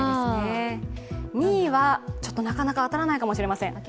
２位はなかなか当たらないかもしれません。